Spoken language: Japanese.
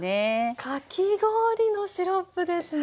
かき氷のシロップですね。